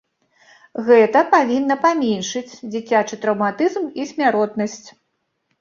Гэта павінна паменшыць дзіцячы траўматызм і смяротнасць.